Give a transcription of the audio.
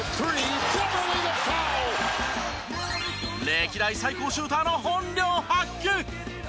歴代最高シューターの本領発揮！